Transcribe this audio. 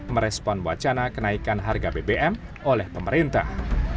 merespon wacana kenaikan harga bbm oleh pemerintah